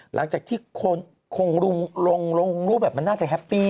หลังจากที่ลงรูปแบบมันน่าจะแฮปปี้